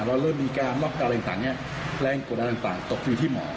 เราเริ่มมีการรับการอะไรต่างแหล่งกฎาลังต่างตกฟิวที่หมอ